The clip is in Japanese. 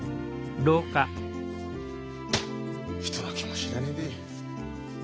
人の気も知らねえで。